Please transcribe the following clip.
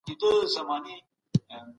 توبه کول د ګناهونو داغونه پاکوي.